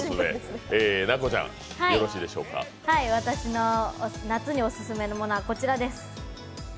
私の「夏にオススメなもの」はこちらです。